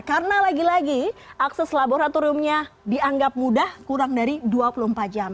karena lagi lagi akses laboratoriumnya dianggap mudah kurang dari dua puluh empat jam